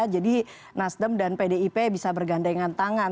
jadi nasdem dan pdip bisa berganda dengan tangan